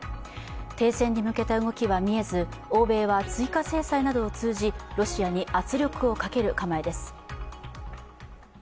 停戦に向けた動きは見えず、欧米は追加制裁などを通じ、ロシアに圧力をかける構えです。